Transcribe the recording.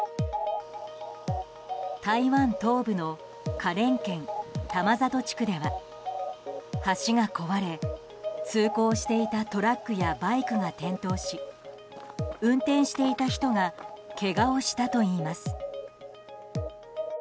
台湾東部の花蓮県玉里地区では橋が壊れ、通行していたトラックやバイクが転倒し運転していた人がけがをしたといいます。